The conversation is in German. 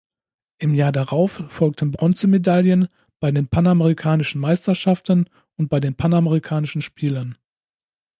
Im Jahr darauf folgten Bronzemedaillen bei den Panamerikanischen Meisterschaften und bei den Panamerikanischen Spielen.